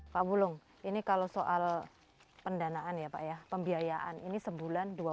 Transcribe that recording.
pak wulung ini kalau soal pendanaan ya pak ya pembiayaan ini sebulan dua puluh